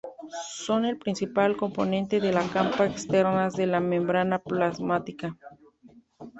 Son el principal componente de las capas externas de la membrana plasmática.